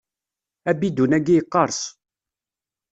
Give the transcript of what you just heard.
Abidun-agi yeqqers.